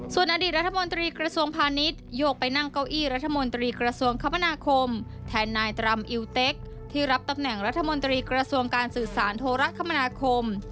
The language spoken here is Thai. ส่วนอดีตรัฐมนตรีกระทรวงพาณิชโยกไปนั่งเก้าอี้รัฐมนตรีกระทรวงคมนาคมแทนนายตรำอิวเต็กที่รับตำแหน่งรัฐมนตรีกระทรวงการสื่อสารโทรคมนาคม